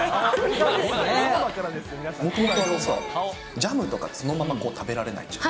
もともとジャムとかそのまま食べられないじゃん。